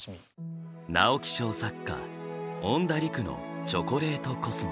直木賞作家恩田陸の「チョコレートコスモス」。